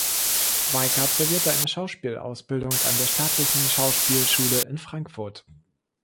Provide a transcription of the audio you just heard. Weicker absolvierte eine Schauspielausbildung an der staatlichen Schauspielschule in Frankfurt.